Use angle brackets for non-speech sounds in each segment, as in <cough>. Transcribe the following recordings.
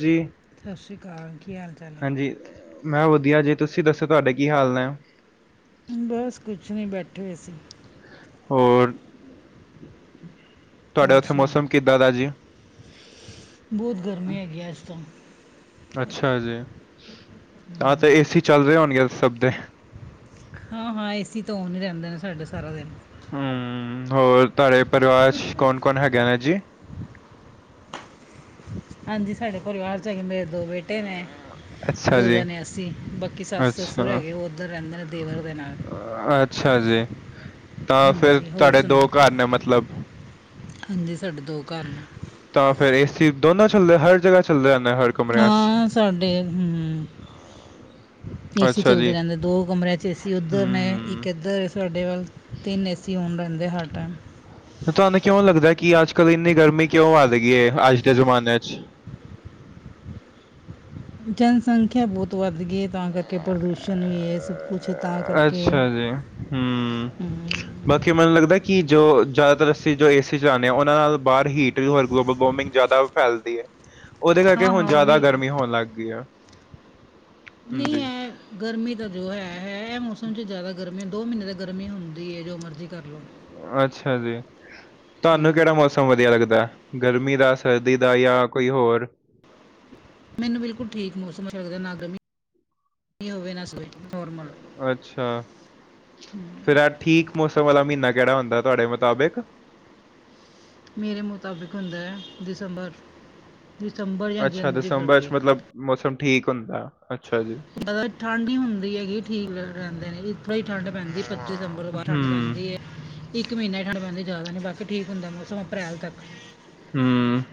ਜੀ ਸਤਿ ਸ੍ਰੀ ਅਕਾਲ, ਕੀ ਹਾਲ ਚਾਲ ਹੈ? ਹਾਂਜੀ ਮੈਂ ਵਧੀਆ, ਜੀ ਤੁਸੀਂ ਦੱਸੋ ਤੁਹਾਡੇ ਕੀ ਹਾਲ ਨੇ? ਕੁੱਝ, ਨਹੀਂ ਬੈਠੇ ਹੋਏ ਸੀ। ਹੋਰ ਤੁਆਡੇ ਹੋਰ ਓਥੇ ਮੋਸਮ ਕਿੱਦਾ ਦਾ ਜੀ? ਬੋਤ ਗਰਮੀ ਹੈਗੀ ਏ ਅਜ ਤਾਂ। ਅੱਛਾ ਜੀ, ਤਾ ਤੇ ਏਸੀ ਚੱਲ ਰੇਯਾ ਹੋਨਗੇ ਅ ਸੱਬ ਦੇ ਹਾਂ, ਹਾਂ ਏਸੀ ਤਾ ਓਨ ਈ ਰੈਂਦੈ ਸਾਡਾ ਸਾਰਾ ਦਿਨ। ਹੂੰ, ਹੋਰ ਤੁਆੜੇ ਪਰੇਵਾਰ ਚ ਕੋਨ ਕੋਨ ਹੈਗੇ ਨੇ ਜੀ? ਹਾਂਜੀ। ਸਾਡੇ ਪਰਿਵਾਰ ਚ ਹੈਗੇ ਨੇ ਮੇਰੇ ਦੋ ਬੇਟੇ ਨੇ, ਅੱਛਾ ਦੋ ਜੀ ਜਨੇ ਅਸੀਂ ਬਾਕੀ ਸੱਸ ਸਸੂਰ ਅੱਛਾ ਹੈਗੇ ਓ ਓਦਰ ਰੈਂਦੇ ਅੱਛਾ ਜੀ, ਤਾਂ ਫਿਰ ਹਾਂਜੀ ਹੋਰ ਤੂਆੜੇ ਦੋ ਸੁਣਾਓ ਕੀ ਘਰ ਨੇ ਮਤਲਬ? ਹਾਂਜੀ ਸਾਡੇ ਦੋ ਘਰ ਨੇ ਤਾਂ ਫਿਰ ਅਸੀਂ, ਦੋਨੋਂ, ਚੱਲਦੇ ਹਰ ਜਗ੍ਹਾ ਚੱਲਦੇ ਅ। ਹਾਂ ਸਾਡੇ ਹੁ? ਹਮ <inaudible> ਏ ਸੀ, ਚੱਲਦੇ ਰਹਿੰਦੇ, ਦੋ ਕਮਰਿਆਂ ਚ ਏ ਸੀ ਉੱਧਰ ਨੇ, ਹਮ ਇੱਕ ਏਧਰ ਸਾਡੇ ਵੱਲ, ਤਿੰਨ ਏ ਸੀ ਹੋਣ ਰਹਿੰਦੇ ਤੇ ਹਰ ਟਾਈਮ ਫੋਨ ਤੁਹਾਨੂੰ ਕਿਉਂ ਲੱਗਦਾ, ਕਿ ਅੱਜ ਕੱਲ੍ਹ ਇੰਨੀ ਗਰਮੀ ਕਿਉਂ ਆ ਗਈ ਏ, ਅੱਜ ਦੇ ਜ਼ਮਾਨੇ ਚ? <unintelligible> ਜਨ ਸੰਖਿਆ, ਬਹੁਤ ਵੱਧ ਗਈ ਏ ਤਾਂ ਕਰਕੇ ਕਿ ਪ੍ਰਦੂਸ਼ਣ, ਵੀ ਏ ਸਭ ਕੁਛ ਤਾਂ ਕਰਕੇ--ਹੂ। ਅੱਛਾ ਜੀ, ਹੂੰ। ਬਾਕੀ, ਮੈਨੂੰ ਲੱਗਦਾ ਕਿ ਜੋ ਅਸੀ ਜੋ ਏ ਸੀ ਚਲਾਨੇ ਆ, ਓਨਾਂ ਨਾਲ ਬਾਰ ਹੀਟ ਹੋਰ ਗਲੋ ਬਲ ਵੋਮੀਂਗ ਜੈਆਦਾ ਫੈਲਦੀ ਐ। ਓਦੇ ਕਰਕੇ ਹਾਂ ਹੁਨ ਹਾਂ ਉਹ ਜਿਆਦਾ ਵੀ ਗਰਮੀ ਹੋਣ ਲੱਗ ਗਈ ਆ। ਹੂੰ, ਨਹੀਂ ਜੀ ਹੈ ਗਰਮੀ ਦਾ ਜੋ ਹੈ, ਹੈ ਐ ਮੋਸਮ ਚ ਜ਼ਿਆਦਾ ਗਰਮੀ, ਦੋ ਮ੍ਹੀਨੇ ਤੇ ਗਰਮੀ ਹੁੰਦੀ ਏ ਜੋ ਮਰਜੀ ਅੱਛਾ ਜੀ, ਹਾਂ ਤੁਆਨੂੰ ਕੇੜਾ ਮੋਸਮ ਵਦੀਆ ਲੱਗਦੈ ਗਰ ਮੀ ਦਾ, ਸਰਦੀ ਦਾ ਯਾ ਕੋਈ ਹੋਰ? ਮੈਨੂੰ ਬਿਲਕੁਲ ਠੀਕ ਮੋਸਮ ਅੱਛਾ ਲੱਗਦੈ, ਨਾ ਗਰਮੀ ਹੋਵੇ ਨਾ ਸ ਅੱਛਾ, ਫਿਰ ਐ ਠੀਕ ਮੋਸਮ ਵਾਲਾ ਮ੍ਹੀਨਾ ਕੇੜਾ ਹੁੰਦੈ ਤੁਹਾੜੇ ਮੁਤਾਬਿਕ? ਮੇਰੇ ਮੁਤਾਬਿਕ ਹੁੰਦੈ ਦਿਸੰਬਰ। ਅੱਛਾ ਦਸੰਬਰ ਚ ਮਤਲਬ, ਮੋਸਮ ਠੀਕ ਹੁੰਦਾ। ਅੱਛਾ ਜੀ, ਪ ਠੰਢ ਈ ਹੁੰਦੀ ਹੈਗੀ ਠੀਕ ਰ ਰੇਂਦੇ ਨੇ, ਇਥੋ ਹੀ ਠੰਢ ਪੈਂਦੀ ਪੱਚੀ ਦਸੰਬਰ ਤੋਂ ਬਾਦ ਠੰਢ ਹੂੰ, ਪੈਂਦੀ ਇੱਕ ਮ੍ਹੀਨਾ ਈ ਠੰਢ ਪੈਂਦੀ ਜ਼ਿਆਦਾ ਨੀ,, ਬਾਕੀ ਠੀਕ ਹੁੰਦੈ ਮੋਸਮ ਅਪ੍ਰੈਲ ਤੱਕ। ਹੂੰ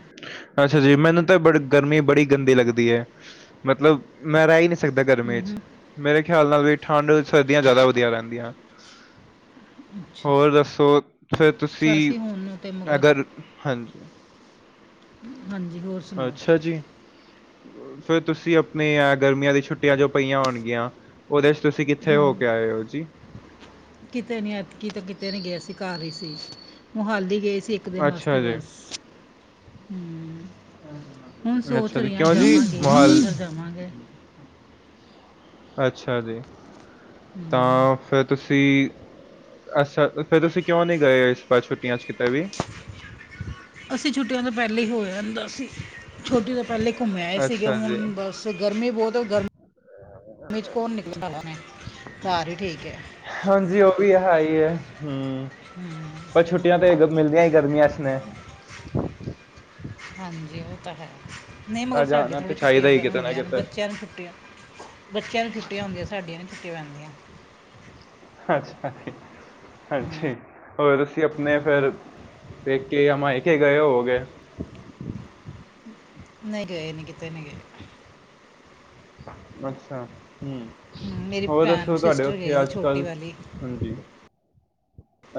ਅੱਛਾ ਜੀ, ਮੈਨੂੰ ਤੇ ਬ ਗਰਮੀ ਬੜੀ ਗੰਦੀ ਲੱਗਦੀ ਏ, ਮਤਲਬ ਮੈਂ ਰੈਈ ਨੀ ਸਕਦਾ ਗਰਮੀ ਹੂੰ ਚ। ਹੂੰ ਮੇਰੇ ਖੇਆਲ ਨਾਲ ਵੀ ਠੰਡ ਸਰਦੀਆਂ ਜੇ਼ਆਦਾ ਵਦੀਆ ਰੈਂਦੀਆਂ। ਹੋਰ ਦੱਸੋ, ਫੇਰ ਸਾਡਾ ਤੁਸੀ, ਸੀ ਹੁਣ ਨੂੰ ਤੇ ਮਗਰ ਅਗਰ ਹ ਹਾਂਜੀ ਹਾਂਜੀ ਹੋਰ ਸੁਣਾਓ ਅੱਛਾ ਜੀ। ਫਿਰ ਤੁਸੀਂ ਅਪਨੀ ਆ, ਗਰਮੀਆਂ ਦੀ ਛੁੱਟੀਆਂ ਜੋ ਪਈਆਂ ਹੋਨਗੀਆਂ ਕਿਤੇ ਨੀ ਐਤਕੀ ਤੇ ਕੀਤੇ ਨੀ ਗਏ ਅਸੀਂ। ਘਾਰ ਈ ਸੀ, ਮੋਹਾਲੀ ਗਏ ਸੀ ਇੱਕ ਦਿਨ ਅੱਛਾ ਵਾਸਤੇ ਜੀ, ਬਸ ਹੂੰ। ਹੁਨ ਸੋਚ ਅੱਛਾ ਜੀ ਰਈ ਆਂ, ਕਿਉਂ ਜੀ ਜਾਵਾਂਗੇ ਮੋਹਾਲ ਅੰਬਰਸਰ ਜਾਵਾਂਗੇ। ਅੱਛਾ ਜੀ, ਹੂੰ ਤਾਂ ਫੇਰ ਤੁਸੀ ਅੱਸਾ, ਫੇਰ ਅਸੀਂ ਕੇਓਂ ਨੀ ਗਏ ਇਸ ਵਾਰ ਛੁੱਟੀਆਂ ਚ ਕਿਤੇ ਵੀ? ਅਸੀਂ ਛੁੱਟੀਆਂ ਤੋਂ ਪੈਲਾਂ ਹੀ ਹੋ ਆਂਦਾ ਸੀ ਛੋਟੀ ਪੈਲੇ ਘੁੰਮੇ ਆਏ ਸੀਗੇ ਅੱਛਾ ਜੀ, ਹੁਨ ਬਸ, ਗਰਮੀ ਬੋਤ ਗਰਮ ਗਰਮੀ ਚ ਕੋਨ <unintelligible> ਘਾਰ ਈ ਠੀਕ ਏ। ਹਾਂਜੀ ਉਹ ਵੀ ਹੈ ਹੀ ਹੂੰ, ਪਰ ਛੁੱਟੀਆ ਤੇ ਮਿੱਲਦੀਆਂ ਈ ਗਰਮੀਆਂ ਚ ਨੇ। ਹਾਂਜੀ ਓ ਤਾਂ ਹੈ, ਨਈ ਮਗਰ ਤਾਂ ਸਾਡੇ ਜਾਣਾ ਤੇ ਥੋੜੇ ਚਾਹੀਦਾ ਛੁੱਟੀਆਂ ਪ ਹੀ ਕਿਤੇ ਨਾ ਹੁੰਦੀਆਂ ਨੇ ਕਿਤੇ ਬੱਚੇਆਂ ਨੂੰ ਛੁੱਟੀਆਂ ਬੱਚਿਆਂ ਨੂੰ ਛੁੱਟੀਆਂ ਹੁੰਦੀਆਂ ਸਾਡੀਆਂ ਨੂੰ ਛੁੱਟੀਆਂ ਪੈਂਦੀਆਂ ਅੱਛਾ ਹਾਂਜੀ ਹੋਰ ਤੁਸੀਂ ਆਪਣੇ ਫਿਰ ਪੇਕੇ ਜਾਂ ਮਾਇਕੇ ਗਏ ਹੋ ਗਏ <unintelligible> ਨਹੀ ਗੇਏ ਨਹੀਂ ਕੀਤੇ ਨਹੀਂ ਗਏ ਅੱਛਾ ਹਮ ਹਮ, ਮੇਰੀ ਹੋ ਭੈਣ ਦੱਸੋ ਤੁਹਾੱਡੇ ਸਿਸਟਰ ਗਈ ਉੱਥੇ ਸੀ ਅੱਜ ਛੋਟੀ ਕੱਲ ਵਾਲੀ ਹਾਂਜੀ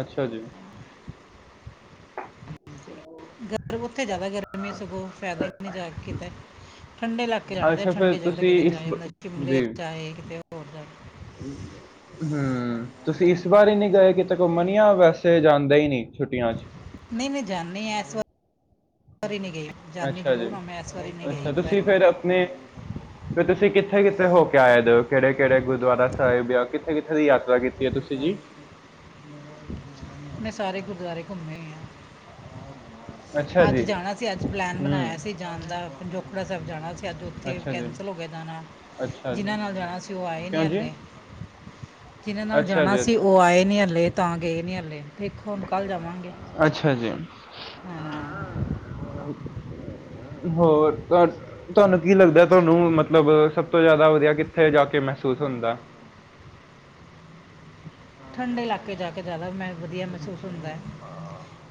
ਅੱਛਾ ਜੀ ਗਰਮੀਂ ਉੱਥੇ ਜ਼ਿਆਦਾ ਗਰਮੀਂ ਸਗੋਂ ਫਾਇਦਾ ਵੀ ਨਹੀਂ ਜਾਕੇ ਕਿੱਤੇ ਠੰਡੇ ਇਲਾਕੇ ਜਾਣਾ ਚ ਅੱਛਾ ਫਿਰ ਠੰਢੇ ਜਗਾਂ ਤੇ ਤੁਸੀਂ ਕਿਤੇ ਇਸ ਜਾਏ ਬ- ਸ਼ਿਮਲੇ ਜੀ ਜਾਏ ਕਿੱਤੇ ਹੋਰ ਜਾਵੇ ਹੂੰ, ਤੁਸੀ ਇਸ ਬਾਰ ਈ ਨਈ ਗਏ ਕਿਤੇ ਘੁਮੱਨ ਯਾ ਵੈਸੇ ਜਾਂਦੇ ਏ ਨਈ? ਨਈ, ਨਈ ਜਾਨੇ ਆਂ ਏਸ ਵਾਰ ਅੱਛਾ ਜੀ, ਜ਼ਰੂਰ ਹਾਂ ਮੈਂ ਇਸ ਵਾਰੀ ਨਹੀਂ ਅੱਛਾ ਗਈ ਤੁਸੀ ਫੇਰ ਪਹਿਲੇ ਆਪਨੇ ਤੇ ਤੁਸੀ ਕਿੱਥੇ, ਕਿੱਥੇ ਹੋ ਕੇ ਆਏ ਦੇ ਓ? ਕੇੜੇ ਕੇੜੇ ਗੁਰਦੁੱਆਰਾ ਸਾਹਿਬ ਯਾ ਕਿੱਥੇ, ਕਿੱਥੇ ਦੀ ਯਾਤਰਾ ਕੀਤੀ? <unintelligible> ਤੁਸੀ ਜੀ। ਮੈਂ ਸਾਰੇ ਗੁਰਦੁਆਰੇ ਘੁੰਮੇ ਆਂ ਅੱਛਾ ਅੱਜ ਜੀ ਜਾਣਾ ਸੀ, ਅੱਜ ਪਲੈਨ ਹੂੰ ਬਨਾਯਾ ਸੀ ਜਾਨ ਦਾ ਪੰਜੋਕੜਾ ਸਾਹੇਬ ਜਾਣਾ ਸੀ। ਤੇ ਆਜ ਓਥੇ ਅੱਛਾ ਜੀ ਕੈਂਸਲ ਹੋ ਗੇਆ ਜਾਨਾ, ਅੱਛਾ ਜੀ ਜਿਨ੍ਹਾਂ ਨਾਲ ਜਾਣਾ ਸੀ ਓ ਆਏ ਨੀ ਕਿਉਂ ਜੀ ਹੱਲੇ। ਜਿਨਾਂ ਨਾਲ ਅੱਛਾ ਜਾਣਾ ਜੀ ਸੀ ਅੱਛਾ ਓ ਆਏ ਨੀ ਹੱਲੇ, ਤਾਂ ਗਏ ਨੀ ਹੱਲੇ, ਦੇਖੋ ਹੁਨ ਕੱਲ ਜਾਵਾਂਗੇ। ਅੱਛਾ ਜੀ। ਹਾਂ ਹਮ ਹੋਰ ਤੁਹਾਨੂੰ ਕੀ ਲੱਗਦਾ ਤੁਹਾਨੂੰ ਮੱਤਲਬ ਸਭ ਤੋਂ ਜ਼ਿਆਦਾ ਵਧੀਆ ਕਿੱਥੇ ਜਾ ਕੇ ਮੈਂ ਮਹਿਸੂੱਸ ਹੁੰਦਾ ਠੰਡੇ ਇਲਾਕੇ ਜਾ ਕੇ ਜ਼ਿਆਦਾ ਮੈਂ ਵਧੀਆ ਮਹਿਸੂੱਸ ਹੁੰਦਾ ਹੈ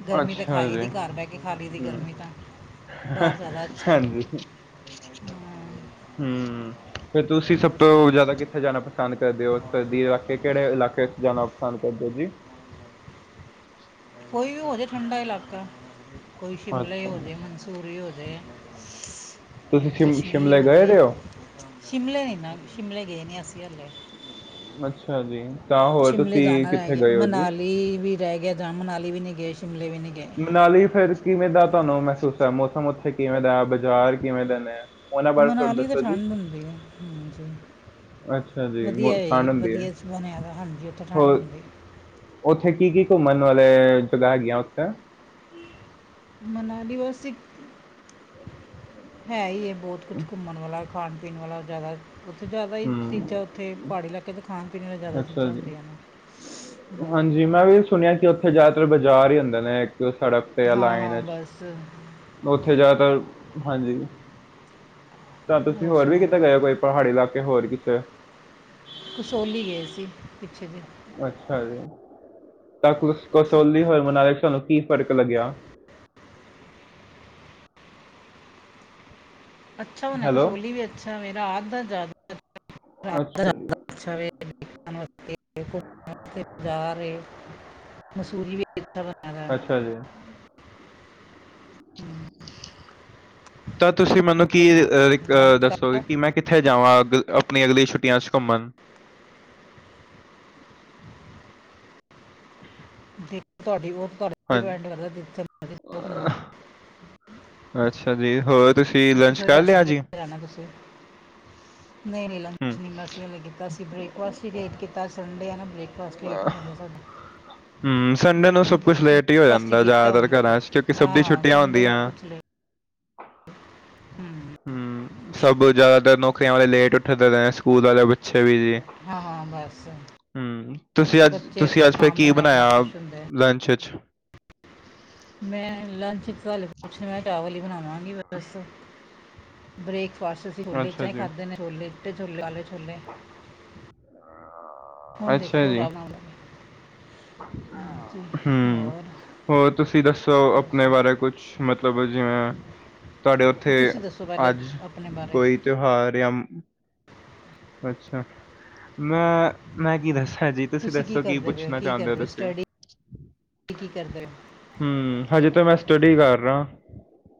ਗਰਮੀ ਤਾਂ ਅੱਛਾ ਖਾਈ ਦੀ ਜੀ ਘਰ ਬਹਿ ਕੇ ਖਾ ਲਈ ਦੀ ਹੂੰ ਗਰਮੀ ਤਾਂ ਬਾਹਰ ਜ਼ਿਆਦਾ ਅੱਛਾ ਹੈ ਹਾਂਜੀ ਹਾਂ, ਹਮ ਫਿਰ ਤੁਸੀਂ ਸਭ ਹੋਰ ਤੋਂ ਜ਼ਿਆਦਾ ਕਿੱਥੇ ਜਾਣਾ ਸੁਣਾਓ ਪਸੰਦ ਕਰਦੇ ਹੋ ਸਰਦੀ ਇਲਾਕੇ ਕਿਹੜੇ ਇਲਾਕੇ ' ਜਾਣਾ ਪਸੰਦ ਕਰਦੇ ਹੋ ਜੀ <unintelligible> ਕੋਈ ਵੀ ਹੋ ਜੇ ਠੰਡਾ ਇਲਾਕਾ ਕੋਈ ਸ਼ਿਮਲੇ ਹੋ ਅੱਛਾ ਜੇ ਜੀ ਮਨਸੂਰੀ ਹੋ ਜਾ ਹ ਤੁਸੀਂ ਸ਼ਿਮ ਕਸ਼ਮੀਰ ਸ਼ਿਮਲੇ ਗਏ ਵਧੀਆ ਦੇ ਹੋ ਸ਼ਿਮਲੇ ਨੇ ਨਾ ਸ਼ਿਮਲੇ ਗਏ ਨੇ ਅਸੀਂ ਹੱਲੇ ਅੱਛਾ ਜੀ ਤਾਂ ਹੋਰ ਸ਼ਿਮਲੇ ਤੁਸੀਂ ਜਾਣਾ ਰਹਿ ਕਿੱਥੇ ਗਿਆ ਗਏ ਹੋ ਜੀ ਮਨਾਲੀ ਵੀ ਰਹਿ ਗਿਆ ਜਾਂ ਮਨਾਲੀ ਵੀ ਨਹੀਂ ਗਏ ਸ਼ਿਮਲੇ ਵੀ ਨਹੀਂ ਗਏ ਮਨਾਲੀ ਫਿਰ ਕਿਵੇਂ ਦਾ ਤੁਹਾਨੂੰ ਮਹਿਸੂਸ ਹੈ ਮੌਸਮ ਉੱਥੇ ਕਿਵੇਂ ਦਾ ਬਾਜ਼ਾਰ ਕਿਵੇਂ ਦੇ ਨੇ ਉਹਨਾਂ ਬਾਰੇ ਥੋੜਾ ਮਨਾਲੀ ਤਾਂ ਦੱਸੋ ਜੀ ਠੰਢ ਹੁੰਦੀ ਹਾਂਜੀ ਅੱਛਾ ਜੀ ਵਧੀਆ ਮੌ- ਹੈ ਠੰਡ ਜੀ ਹੁੰਦੀ ਹੈ ਵਧੀਆ ਬਣਿਆ ਤਾਂ ਹਾਂਜੀ ਉੱਥੇ ਠੰਡ ਹੋਰ ਹੁੰਦੀ ਹੈ ਉੱਥੇ ਕੀ ਕੀ ਘੁੰਮਣ ਵਾਲੇ ਜਗ੍ਹਾ ਹੈਗੀਆਂ ਉੱਥੇ ਮਨਾਲੀ ਵੇਸੇ ਹੈ ਹੀ ਹੈ ਬਹੁਤ ਕੁਛ ਘੁੰਮਣ ਵਾਲਾ ਖਾਣ ਪੀਣ ਵਾਲਾ ਜ਼ਿਆਦਾ ਉੱਥੇ ਜ਼ਿਆਦਾ ਹੀ ਚੀਜ਼ਾਂ ਹੂੰ ਉੱਥੇ ਪਹਾੜੀ ਇਲਾਕੇ ਦੇ ਖਾਣ ਪੀਣ ਨਾਲ ਜ਼ਿਆਦਾ ਅੱਛਾ ਚੀਜ਼ਾਂ ਜੀ ਹੁੰਦੀਆਂ ਨੇ ਹਮ, ਹਾਂਜੀ ਮੈਂ ਵੀ ਸੁਣਿਆ ਕਿ ਉੱਥੇ ਜ਼ਿਆਦਾ ਤਰ ਬਾਜ਼ਾਰ ਹੀ ਹੁੰਦੇ ਨੇ ਸੜਕ ਤੇ ਜਾਂ ਹਾਂ ਲਾਈਨ ਹਾਂ ਚ ਬਸ ਉੱਥੇ ਜ਼ਿਆਦਾਤਰ ਹਾਂਜੀ ਤਾਂ ਤੁਸੀਂ ਹੋਰ ਵੀ ਕਿਤੇ ਗਏ ਹੋ ਕੋਈ ਪਹਾੜੀ ਇਲਾਕੇ ਹੋਰ ਕਿਤੇ ਕਸੋਲੀ ਗਏ ਸੀ ਪਿੱਛੇ ਜੇ ਅੱਛਾ ਜੀ ਤਾਂ ਕਸੋ- ਕਸੌਲੀ ਹੋ ਮਨਾਲ ਤੁਹਾਨੂੰ ਕੀ ਫ਼ਰਕ ਲੱਗਿਆ ਅੱਛਾ ਹੋਣਾ ਹੈਲੋ ਕਸੋਲੀ ਵੀ ਅੱਛਾ ਮੇਰਾ ਆ ਦਾ ਰਾਤ ਦਾ ਅੱਛਾ ਜੀ। ਜ਼ਿਆਦਾ ਅੱਛਾ ਵੇ ਬਾਜ਼ਾਰ ਮਸੂਰੀ ਅੱਛਾ ਬਣਿਆ ਦਾ ਹੈ ਅਛਾ ਜੀ। ਹਮ। ਤਾਂ ਤੁਸੀਂ ਮੈਨੂੰ ਕੀ ਹੋਰ ਸੁਣਾਓ ਲੰਚ ਦੱਸੋਗੇ ਕਰ ਕਿ, ਮੈਂ ਕਿੱਥੇ ਜਾਵਾਂ? ਆਪਣੀ ਅਗਲੀਆ ਛੁੱਟੀਆ ਚ ਘੁੰਮਨ ਤੁਹਾਡੀ ਉਹ ਤੁਹਾਡੇ ਹਾਂਜੀ ਡਿਪੈਂਡ ਘੁੰ <inaudible> ਅਹ, ਅੱਛਾ ਜੀ! ਹੋਰ? ਤੁਸੀਂ ਅਸੀਂ ਲੰਚ ਥੋੜੀ ਕਰ ਦੱਸਦੇ ਲਿਆ ਜੀ ਕਿੱਥੇ ਜਾਣਾ ਤੁਸੀਂ। ਨਹੀ, ਨਹੀ ਲੰਚ ਹੂੰ ਨਈ ਮਸੀਂ ਹ ਕੀਤਾ ਸੀ ਬ੍ਰੇਕਫਾਸਟ ਹੀ ਲੇਟ ਕੀਤਾ ਸੰਡੇ ਆ ਨਾ ਬ੍ਰੇਕਫਾਸਟ ਲੇਟ ਹੋ ਜਾਦਾ ਸਾਡਾ। <unintelligible> ਹਮ ਸੰਡੇ ਨੂੰ ਸਭ ਕੁਛ ਲੇਟ ਹੀ ਹੋ ਫਾਸਟ ਜਾਂਦਾ ਕੀਤਾ ਜ਼ਿਆਦਾਤਰ, ਹੁਣ ਘਰਾਂ ਚ ਕਿਉਂਕਿ ਹਾਂ ਸਭ ਦੀ ਹਾਂ ਛੁੱਟੀਆ ਸੰਡੇ ਨੂੰ ਹੁੰਦੀਆਂ। ਕੁਝ ਲੇਟ ਹਮ ਹੂੰ ਸਭ ਜਿਆਦਾਤਰ ਨੌਕਰੀਆਂ ਵਾਲੇ ਲੇਟ ਉੱਠਦੇ ਰਹੇ, ਸਕੂਲ ਵਾਲੇ ਬੱਚੇ। ਵੀ ਜੀ ਹਾਂ ਹਾਂ ਬਸ ਹਮ ਤੁਸੀਂ ਅੱਜ ਬੱਚੇ ਤੁਸੀਂ ਅੱਜ ਫਿਰ ਆਮ ਕੀ ਨੇ ਆਪਣਾ ਬਣਾਇਆ ਫਰੈਸ਼ ਹੁੰਦੇ ਲੰਚ ਚ ਮੈਂ ਲੰਚ ਤੁੇ ਪੁੱਛ ਮੈਂ ਚਾਵਲ ਹੀ ਬਣਾਵਾਂਗੀ ਬਸ ਬ੍ਰੇਕਫਾਸਟ ਅਸੀਂ ਛੋਲੇ ਅੱਛਾ ਚਾਂ ਹੀ ਜੀ ਖਾਧੇ ਨੇ ਛੋਲੇ ਚਿੱਟੇ ਛੋਲੇ ਕਾਲੇ ਛੋਲੇ ਹੁਣ ਦੇਖੋ ਰਾਵਣਾ ਹਮ ਹੋਰ ਤੁਸੀਂ ਦੱਸੋ ਹੋਰ ਆਪਣੇ ਬਾਰੇ ਸੁਣਾਓ। ਕੁਛ ਮਤਲਬ ਮਤਬ ਜਿਵੇਂ ਤੁਹਾਡੇ ਉੱਥੇ ਤੁਸੀਂ ਦੱਸੋ ਪਹਿਲੇ ਅੱਜ ਆਪਣੇ ਬਾਰੇ ਕੋਈ ਤਿਉਹਾਰ ਜਾਂ ਅੱਛਾ ਮੈਂ ਮੈਂ ਕੀ ਦਸਾਂ ਜੀ ਤੁਸੀਂ ਦੱਸੋ ਕੀ ਕਰਦੇ ਪਏ ਪੁੱਛਣਾ ਕੀ ਚਾਹੁੰਦੇ ਹੋ ਕਰਦੇ ਤੁਸੀਂ। ਸਟੱਡੀ ਕੀ ਕਰਦੇ ਹੋ ਹਮ ਹਜੇ ਤਾਂ ਮੈਂ ਸਟੱਡੀ ਕਰ ਰਿਹਾ।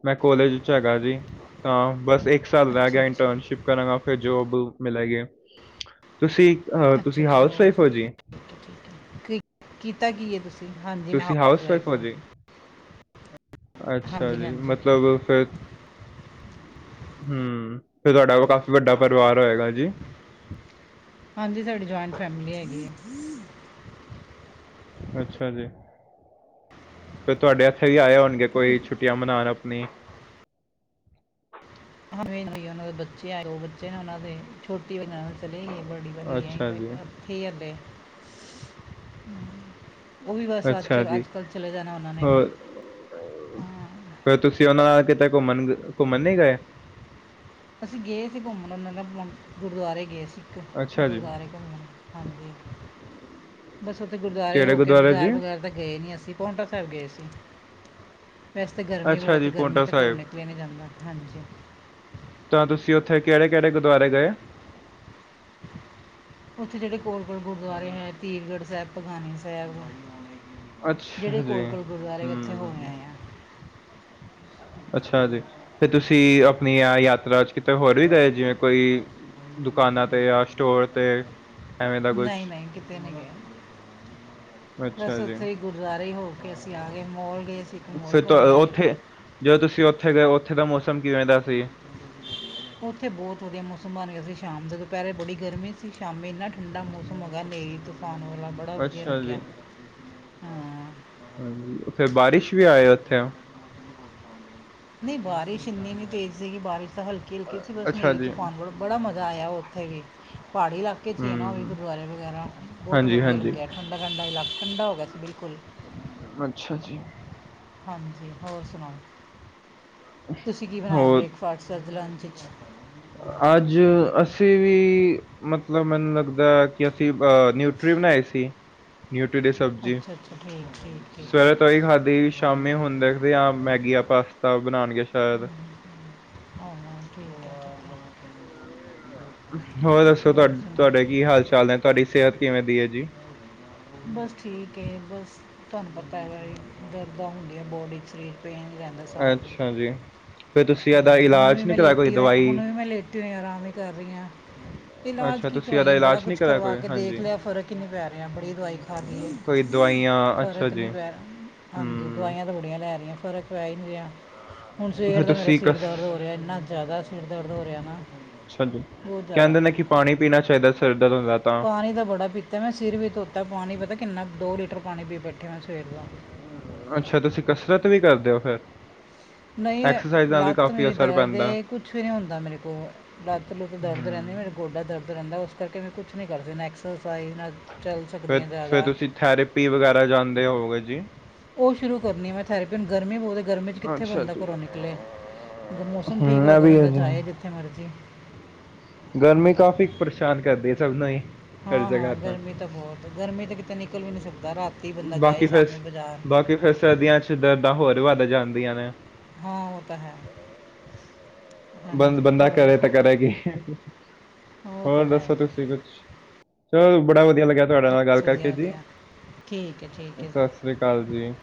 ਮੈਂ ਕੋਲੇਜ ਚ ਹੈਗਾ ਜੀ ਤਾਂ ਬਸ ਇਕ ਇੱਕ ਸਾਲ ਰਹਿ ਅੱਛਾ ਗਿਆ ਅੱਛਾ ਇੰਟਰਨਸ਼ਿਪ ਕਰਾਂਗਾ। ਫਿਰ ਜੋਬ ਮਿਲੇਗੀ। ਤੁਸੀਂ ਅਹ, ਅੱਛਾ, ਤੁਸੀਂ ਅੱਛਾ, ਹਾਊਸ ਵਾਈਫ ਹੋ ਜੀ ਠੀਕੇ, ਠੀਕੇ ਕੀਤਾ, ਕੀਤਾ ਕੀ ਐ ਤੁਸੀਂ? ਹਾਂਜੀ ਮੈਂ ਤੁਸੀ ਹਾਊਸ ਵਾਈਫ ਓ ਹਾਂ ਜੀ? ਅੱਛਾ ਹਾਂਜੀ ਜੀ। ਹਾਂਜੀ ਮਤਲਬ, ਫਿਰ ਹੂੰ, ਫਿਰ ਤੁਹਾਡਾ ਕੋਲ ਕਾਫੀ ਵੱਡਾ ਪਰਿਵਾਰ ਹੋਏਗਾ ਜੀ। ਹਾਂਜੀ, ਸਾਡੀ ਜੁਆਇੰਟ ਫੈਮਿਲੀ ਹੈਗੀ ਆ। ਅੱਛਾ, ਜੀ। ਫੇਰ ਤੁਹਾਡੇ ਇੱਥੇ ਵੀ ਆਏ ਹੋਣਗੇ ਕੋਈ ਛੁੱਟੀਆਂ ਮਨਾਉਣ ਆਪਨੀ। ਉਹਨਾਂ ਦੇ ਬੱਚੇ ਆ ਉਹ ਬੱਚੇ ਨੇ ਉਹਨਾਂ ਦੇ ਛੋਟੀ ਬਣਾ ਚਲੇ ਗਏ ਬੜੀ ਵਧੀਆ ਅਸੀਂ ਅੱਛਾ ਜੀ, ਉਥੇ ਆਂਦੇ ਹੀ ਉਹ ਵੀ ਬਸ ਅੱਜ ਅੱਛਾ ਜੀ, ਅੱਜ ਕੱਲ ਚਲੇ ਜਾਣਾ ਉਹਨਾਂ ਨੇ ਵੀ ਹੋਰ ਹਾਂ ਫਿਰ ਤੁਸੀਂ ਉਹਨਾਂ ਨਾਲ ਕਿੱਦਾਂ ਘੁੰਮਣ-ਘੁੰਮਣ ਨੀ ਗਏ। ਅਸੀਂ ਗਏ ਸੀ ਘੁੰਮਣ ਉਹਨਾਂ ਨਾਲ ਗੁਰਦੁਆਰੇ ਗਏ ਸੀ। ਇੱਕ ਅੱਛਾ ਜੀ, ਗੁਰਦੁਆਰੇ ਗਏ ਘੁੰਮਣ, ਹਾਂਜੀ। ਬਸ ਉੱਥੇ ਗੁਰਦੁਆਰੇ ਕਿਹੜੇ ਹੋ ਕੇ ਗੁਰਦੁਆਰੇ ਜੀ? ਬਾਜ਼ਾਰ ਵਗੈਰਾ ਤਾਂ ਗਏ ਨੀ ਅਸੀਂ ਪੌਂਟਾ ਸਾਹਿਬ ਗਏ ਸੀ। ਵੈਸੇ ਤਾਂ ਗਰਮੀ ਅੱਛਾ ਬਹੁਤ ਐ ਜੀ, ਗਰਮੀ ਪੌਂਟਾ ਤਾਂ ਘਰੋਂ ਸਾਹਿਬ, ਨਿਕਲਿਆ ਨਹੀਂ ਜਾਂਦਾ, ਹਾਂਜੀ। ਤਾਂ ਤੁਸੀਂ ਉੱਥੇ ਕਿਹੜੇ- ਕਿਹੜੇ ਗੁਰਦੁਆਰੇ ਗਏ। ਉੱਥੇ ਜਿਹੜੇ ਕੋਲ- ਕੋਲ ਗੁਰਦੁਆਰੇ ਹੈ ਪੀਰਗੜ੍ਹ ਸਾਹਿਬ, ਭੰਗਾਣੀ ਸਾਹਿਬ। ਜਿਹੜੇ ਅੱਛਾ ਜੀ, ਕੋਲ- ਕੋਲ ਗੁਰਦੁਆਰੇ ਉੱਥੇ ਹੋ ਕੇ ਹੂੰ। ਆਏ ਆਂ। ਅੱਛਾ ਜੀ, ਫਿਰ ਤੁਸੀਂ ਆਪਣੀ ਆ ਯਾਤਰਾ ਚ ਕਿਤੇ ਹੋਰ ਵੀ ਗਏ, ਜਿਵੇਂ ਕੋਈ ਦੁਕਾਨਾਂ ਤੇ ਜਾਂ ਸਟੋਰ ਤੇ ਐਵੈਂ ਦਾ ਕੁੱਛ ਨਹੀਂ ਨਹੀਂ ਕਿਤੇ ਨੀ ਗਏ, ਅੱਛਾ ਬਸ ਜੀ, ਉੱਥੇ ਹੀ ਗੁਰਦੁਆਰੇ ਹੋ ਕੇ ਅਸੀਂ ਆ ਗਏ ਮੋਲ ਗਏ ਸੀ ਇੱਕ ਮੋਲ ਫਿਰ ਘੁੰਮ ਆਏ ਉੱਥੇ ਜਦੋਂ ਤੁਸੀਂ ਉੱਥੇ ਗਏ ਉੱਥੇ ਦਾ ਮੌਸਮ ਕਿਵੇਂ ਦਾ ਸੀ? ਉੱਥੇ ਬਹੁਤ ਵਧੀਆ ਮੌਸਮ ਹਿਮਾਲੀਆ ਤੇ ਸ਼ਾਮ ਦੇ ਦੁਪਿਹਰੇ ਬੜੀ ਗਰਮੀ ਸੀ, ਸ਼ਾਮੀ ਇੰਨਾ ਠੰਡਾ ਮੌਸਮ ਹੋਗਿਆ ਹਨੇਰੀ ਤੂਫਾਨ ਵ ਬੜਾ ਵਧੀਆ ਅੱਛਾ ਲੱਗਿਆ ਜੀ, ਹਾਂ। ਹਾਂਜੀ, ਉੱਥੇ ਬਾਰਿਸ਼ ਵੀ ਆਏ ਉੱਥੇ। ਨਹੀਂ ਬਾਰਿਸ਼ ਇੰਨੀ ਨੀ ਤੇਜ਼ ਸੀਗੀ ਬਾਰਿਸ਼ ਤਾਂ ਹਲਕੀ- ਹਲਕੀ ਸੀ ਬਸ ਅੱਛਾ ਹਨੇਰੀ ਜੀ, ਤੂਫਾਨ ਬੜਾ ਮਜ਼ਾ ਆਇਆ ਉੱਥੇ ਵੀ। ਪਹਾੜੀ ਇਲਾਕੇ ਚ ਹੈ ਨਾ ਉਹ ਵੀ ਹੂੰ, ਗੁਰਦੁਆਰੇ ਵਗੈਰਾ ਬਹੁਤ ਵਧੀਆ ਹਾਂਜੀ-ਹਾਂਜੀ, ਲੱਗਿਆ ਠੰਡਾ -ਠੰਡਾ ਇਲਾਕਾ ਠੰਡਾ ਹੋ ਗਿਆ ਸੀ ਬਿਲਕੁਲ। ਅੱਛਾ ਜੀ ਹਾਂਜੀ ਹੋਰ ਸੁਣਾਓ, ਤੁਸੀਂ ਕੀ ਬਣਾਇਆ ਹੋਰ ਬ੍ਰੇਕਫਾਸਟ ਚ ਅੱਜ। ਲੰਚ ਚ ਅੱਜ ਅਸੀਂ ਵੀ ਮਤਲਬ ਮੈਨੂੰ ਲੱਗਦਾ ਕਿ ਅਸੀਂ ਅਹ ਨਿਊਟਰੀ ਬਣਾਏ ਸੀ। ਨਿਊਟਰੀ ਡੇ ਸਬਜ਼ੀ ਅੱਛਾ ਅੱਛਾ ਠੀਕ ਠੀਕ ਠੀਕ ਹੈ ਸਵੇਰੇ ਤੋਂ ਹੀ ਖਾਧੀ ਸ਼ਾਮੀ ਹੁਣ ਦੇਖਦੇ ਹਾਂ ਮੈਗੀ ਆਪ ਪਾਸਤਾ ਬਣਾਣਗੇ ਸ਼ਾਇਦ ਹਾਂ ਠੀਕ ਹੈ ਠੀਕ ਹੋਰ ਹੈ ਦੱਸੋ ਤੁਹਾ ਸੁਣਾ ਤੁਹਾਡੇ ਕੀ ਹਾਲ ਚਾਲ ਨੇ, ਤੁਹਾਡੀ ਸਿਹਤ ਕਿਵੇਂ ਦੀ ਏ। ਬਸ ਠੀਕ ਏ, ਬਸ ਤੁਹਾਨੂੰ ਪਤਾ ਹੈ ਬਾਈ ਦਰਦਾਂ ਹੁੰਦੀਆਂ ਬੋਡੀ ਚ ਸਰੀਰ ਪੇਨ ਰਹਿੰਦਾ ਸਾਰਾ ਦਿਨ। ਅੱਛਾ ਜੀ ਫਿਰ ਤੁਸੀਂ ਇਹਦਾ ਹੁਣ ਇਲਾਜ ਵੀ ਨਹੀਂ ਮੈਂ ਕਰਾਇਆ ਕੋਈ ਲੇਟੀ ਹੋਈ ਹੁਣ ਦਵਾਈ ਵੀ ਮੈਂ ਲੇਟੀ ਹੋਈ ਆਂ ਆਰਾਮ ਹੀ ਕਰ ਰਹੀ ਹਾਂ। ਇਲਾਜ ਅੱਛਾ ਕੀ ਤੁਸੀਂ ਕਰਾਈਏ ਇਹਦਾ ਬੜਾ ਇਲਾਜ ਨਹੀਂ ਕੁਛ ਕਰਾਇਆ ਕਰਵਾ ਕੋਈ ਕੇ ਦੇਖ ਹਾਂਜੀ ਲਿਆ ਫਰਕ ਈ ਨਹੀਂ ਪੈ ਰਿਹਾ ਬੜੀ ਦਵਾਈ ਖਾ ਲਈ ਏ। ਕੋਈ ਦਵਾਈਆਂ ਅੱਛਾ ਫ਼ਰਕ ਨੀ ਜੀ ਪੈ ਰਿਹਾ ਹਾਂਜੀ ਹੂੰ ਦਵਾਈਆਂ ਤਾਂ ਬੜੀਆਂ ਲੈ ਲਈਆਂ, ਫ਼ਰਕ ਪੈ ਹੀ ਨਹੀਂ ਰਿਹਾ। ਹੁਣ ਸਵੇਰ ਫਿਰ ਦਾ ਮੇਰਾ ਤੁਸੀਂ ਸਿਰ ਕਸ ਦਰਦ ਹੋ ਰਿਹਾ, ਇੰਨਾ ਜ਼ਿਆਦਾ ਸਿਰ ਦਰਦ ਹੋ ਰਿਹਾ ਨਾ ਅੱਛਾ ਜੀ ਬਹੁਤ ਜ਼ਿਆਦਾ ਕਹਿੰਦੇ ਨੇ ਕਿ ਪਾਣੀ ਪੀਣਾ ਚਾਹੀਦਾ ਸਿਰ ਦਰਦ ਹੁੰਦਾ ਪਾਣੀ ਤਾਂ ਦਾ ਬੜਾ ਪੀਤਾ ਮੈਂ ਸਿਰ ਵੀ ਧੋਤਾ ਪਾਣੀ ਪਤਾ ਕਿੰਨਾ ਦੋ ਲੀਟਰ ਪਾਣੀ ਪੀ ਬੈਠੀ ਮੈਂ ਸਵੇਰ ਦਾ। ਅੱਛਾ ਤੁਸੀਂ ਕਸਰਤ ਵੀ ਕਰਦੇ ਹੋ ਫਿਰ ਨਹੀਂ ਐਕਸਰਸਾਈਜ਼ ਨਾਲ ਵੀ ਲੱਤ ਕਾਫੀ ਮੇਰੀ ਅਸਰ ਦਰਦ ਪੈਂਦਾ ਏ ਕੁਛ ਵੀ ਨਹੀਂ ਹੁੰਦਾ ਮੇਰੇ ਕੋਲੋਂ ਲੱਤ ਲੁੱਤ ਦਰਦ ਰਹਿੰ ਨਹੀਂ ਮੇਰਾ ਹੂੰ ਗੋਡਾ ਦਰਦ ਰਹਿੰਦਾ ਉਸ ਕਰਕੇ ਮੈਂ ਕੁਛ ਨਹੀਂ ਕਰਦੀ ਨਾ ਐਕਸਰਸਾਈਜ਼ ਨਾ ਚੱਲ ਸਕਦੀ ਹਾਂ ਫਿਰ- ਫਿਰ ਜ਼ਿਆਦਾ ਤੁਸੀਂ ਥੈਰੇਪੀ ਵਗੈਰਾ ਜਾਂਦੇ ਹੋਂਗੇ ਜੀ। ਉਹ ਸ਼ੁਰੂ ਕਰਨੀ ਮੈਂ ਥੈਰੇਪੀ ਹੁਣ ਗਰਮੀ ਬਹੁਤ ਗਰਮੀ ਚ ਕਿੱਥੇ ਅੱਛਾ ਬੰਦਾ ਜੀ। ਘਰੋਂ ਨਿਕਲੇ। ਜਦੋਂ ਮੌਸਮ ਠੀਕ ਮੈਂ ਹੋਏਗਾ, ਵੀ ਹੈ ਬੰਦਾ ਜੀ। ਜਾਏ ਜਿੱਥੇ ਮਰਜ਼ੀ। ਗਰਮੀ ਕਾਫੀ ਪਰੇਸ਼ਾਨ ਕਰਦੀ ਹੈ ਚੱਲਦਾ ਹੀ ਹਰ ਹਾਂ- ਹਾਂ ਜਗ੍ਹਾ ਗਰਮੀ ਤਾਂ ਬਹੁਤ ਗਰਮੀ ਤਾਂ ਕਿਤੇ ਨਿਕਲ ਵੀ ਨਹੀਂ ਸਕਦਾ, ਰਾਤੀ ਬੰਦਾ ਜਾਏ ਬਾਕੀ ਫਿਰ ਸ਼ਾਮੀ ਬਾਜ਼ਾਰ। ਬਾਕੀ ਫਿਰ ਸਰਦੀਆਂ ਚ ਦਰਦਾਂ ਹੋਰ ਵੱਧ ਜਾਂਦੀਆਂ ਨੇ। ਹਾਂ ਉਹ ਤਾਂ ਹੈ ਬੰ ਹਾਂਜੀ ਬੰਦਾ ਹੋਰ ਕਰੇ ਤਾਂ ਕਰੇ ਕੀ ਉਹ ਹੋਰ ਤਾਂ ਹੈ ਦੱਸੋ ਜੀ ਤੁਸੀਂ ਕੁਛ ਚਲ ਤੁਹਾਡੇ ਨਾਲ ਗੱਲ ਕਰਕੇ ਵਧੀਆ ਜੀ, ਵਧੀਆ ਠੀਕ ਹੈ ਠੀਕ ਹੈ ਜੀ ਸਤਿ ਸ੍ਰੀ ਅਕਾਲ ਜੀ।